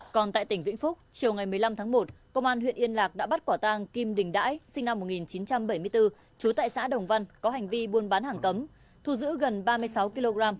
còn tại tỉnh vĩnh phúc chiều ngày một mươi năm tháng một công an huyện yên lạc đã bắt quả tang kim đình đãi sinh năm một nghìn chín trăm bảy mươi bốn trú tại xã đồng văn có hành vi buôn bán hàng cấm thu giữ gần ba mươi sáu kg